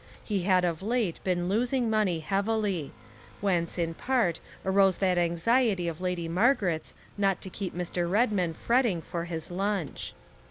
He had of late been losing money heavily whence, in part, arose that anxiety of Lady Margaret's not to keep Mr. Redmain fretting for his lunch.